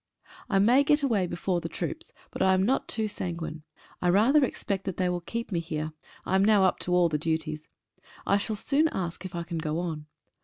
I may get away before the troops, but I am not too sanguine ; I rather expect that they will keep me here. I am now up to all the duties. I shall soon ask if I can go on.